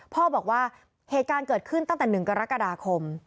พ่อบอกว่าเหตุการณ์เกิดขึ้นตั้งแต่๑กรกฎาคม